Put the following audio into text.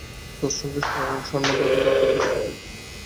তৎসঙ্গে স্বর্ণাদি ধাতুও প্রোথিত হইত।